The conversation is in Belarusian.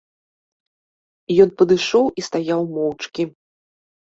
Ён падышоў і стаяў моўчкі.